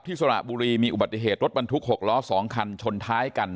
สระบุรีมีอุบัติเหตุรถบรรทุก๖ล้อ๒คันชนท้ายกัน